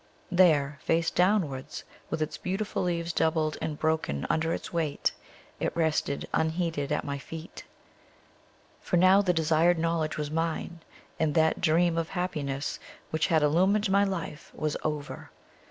There, face downwards, with its beautiful leaves doubled and broken under its weight, it rested unheeded at my feet. For now the desired knowledge was mine, and that dream of happiness which had illumined my life was over.